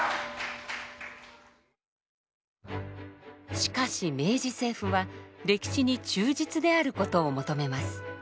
しかし明治政府は歴史に忠実であることを求めます。